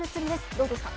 どうですか？